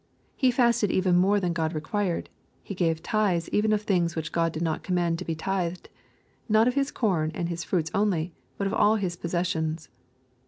He fasted even more than God required. He gave tithes even of things which God did not command to be tithed, — not of his com and his fruits only, but of all his possessions.